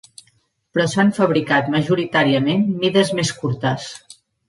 Però s'han fabricat, majoritàriament, mides més curtes.